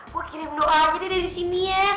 gue kirim doanya deh dari sini ya